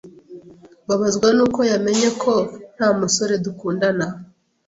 Mbabazwa n’uko yamenye ko nta musore dukundana